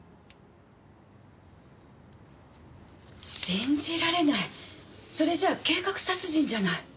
信じられないそれじゃ計画殺人じゃない。